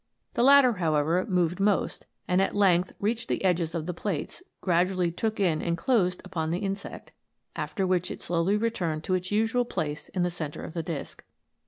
The latter, how evei', moved most, and at length reached the edges of the plates, and gradually took in and closed upon the insect ; after which it slowly returned to its usual place in the centre of the disc.